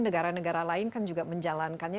negara negara lain kan juga menjalankannya